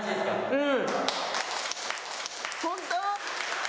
うん。